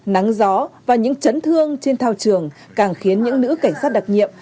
nắng gió và những chấn thương trên thao trường càng khiến những nữ cảnh sát đặc nhiệm